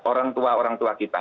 orang tua orang tua kita